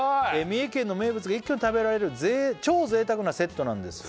「三重県の名物が一挙に食べられる超贅沢なセットなんです」